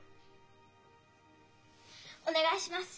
お願いします！